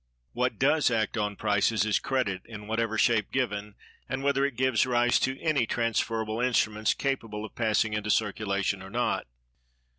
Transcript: What does act on prices is Credit, in whatever shape given, and whether it gives rise to any transferable instruments capable of passing into circulation or not.